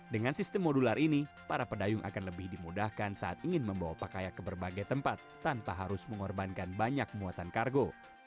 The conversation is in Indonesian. dengan sistem modular ini para pedayung akan lebih dimudahkan saat ingin membawa pakaian ke berbagai tempat tanpa harus mengorbankan banyak muatan kargo